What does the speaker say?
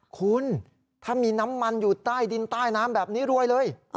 คุณถ้ามีน้ำมันอยู่ใต้ดินใต้น้ำแบบนี้รวยเลย